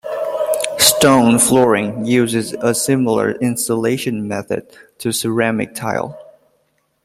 Stone flooring uses a similar installation method to ceramic tile.